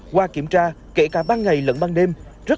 qua kiểm tra kể cả ban ngày lẫn ban đêm